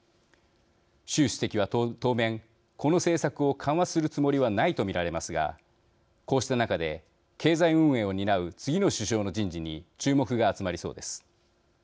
習主席は当面この政策を緩和するつもりはないと見られますがこうした中で経済運営を担う次の首相の人事に注目が集まりそうです。